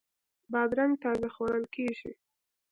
بادرنګ تازه خوړل کیږي.